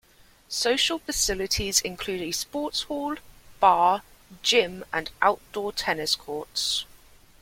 Social facilities include a sports hall, bar, gym and outdoor tennis courts.